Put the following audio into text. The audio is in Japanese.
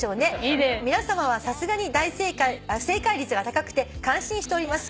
「皆さまはさすがに正解率が高くて感心しております」